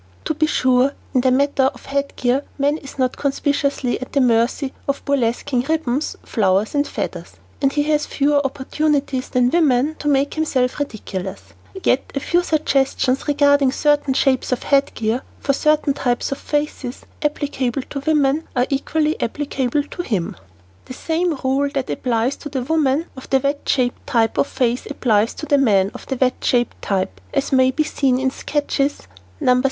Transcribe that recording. To be sure, in the matter of head gear man is not conspicuously at the mercy of burlesquing ribbons, flowers, and feathers, and he has fewer opportunities than women to make himself ridiculous, yet a few suggestions regarding certain shapes of head gear for certain types of faces, applicable to women are equally applicable to him. The same rule that applies to the women of the wedge shaped type of face applies to the man of the wedge shaped type, as may be seen in sketches Nos.